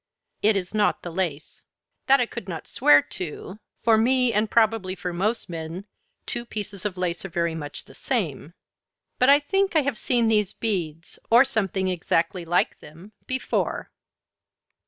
It is not the lace. That I could not swear to; for me and probably for most men two pieces of lace are very much the same. But I think I have seen these beads, or something exactly like them, before."